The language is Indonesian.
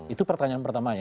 itu pertanyaan pertamanya